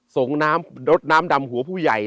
ส่องดดน้ำดำหัวผู้ใหญ่